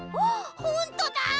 あっほんとだ！